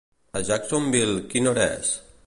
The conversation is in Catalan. A Jacksonville quina hora és?